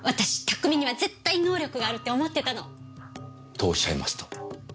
拓海には絶対に能力があるって思ってたの！とおっしゃいますと？